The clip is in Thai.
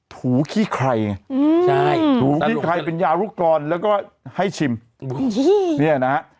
ถูขี้ไครถูขี้ไครเป็นยาลูกกรรแล้วก็ให้ชิมนี่นะ